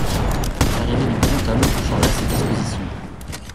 L'arrivée du grand homme changea ses dispositions.